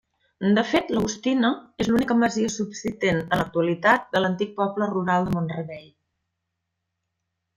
De fet, l'Agustina és l'única masia subsistent en l'actualitat de l'antic poble rural de Mont-rebei.